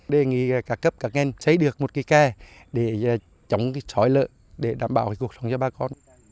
đề nghị cả cấp cả nghen xây được một cái kè để chống cái sói lợi để đảm bảo cuộc sống cho ba con